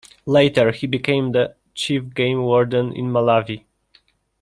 Later, he became the Chief Game Warden in Malawi.